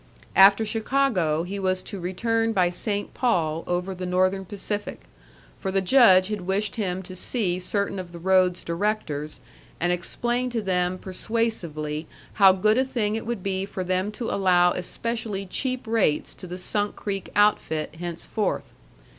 After Chicago, he was to return by St. Paul over the Northern Pacific; for the Judge had wished him to see certain of the road's directors and explain to them persuasively how good a thing it would be for them to allow especially cheap rates to the Sunk Creek outfit henceforth.